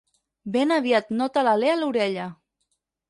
Ben aviat nota l'alè a l'orella.